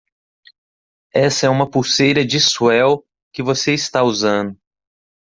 Essa é uma pulseira de swell que você está usando.